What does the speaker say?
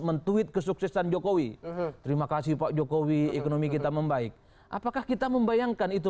men tweet kesuksesan jokowi terima kasih pak jokowi ekonomi kita membaik apakah kita membayangkan itu